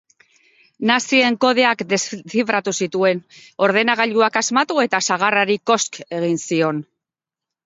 Nazien kodeak deszifratu zituen, ordenagailuak asmatu eta sagarrari kosk egin zion.